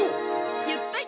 やっぱり！